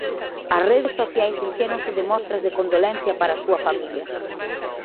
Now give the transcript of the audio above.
As redes sociais enchéronse de mostras de condolencia para a súa familia.